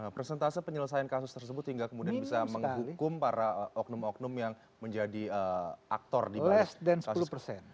persentase penyelesaian kasus tersebut hingga kemudian bisa menghukum para oknum oknum yang menjadi aktor di bawah seratus persen